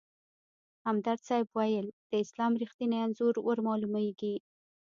همدرد صیب ویل: د اسلام رښتیني انځور ورمالومېږي.